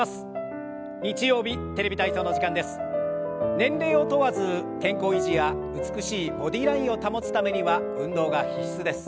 年齢を問わず健康維持や美しいボディーラインを保つためには運動が必須です。